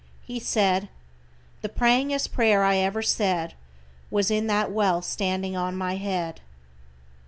He said: "The prayingest prayer I ever said, was in that well standing on my head."